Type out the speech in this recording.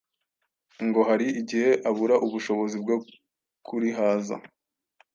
ngo hari igihe abura ubushobozi bwo kurihaza.